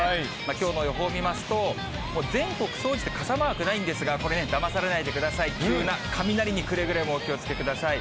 きょうの予報見ますと、全国総じて傘マークないんですが、これにだまされないでください、急な雷にくれぐれもお気をつけください。